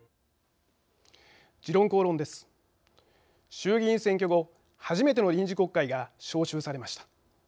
衆議院選挙後、初めての臨時国会が召集されました。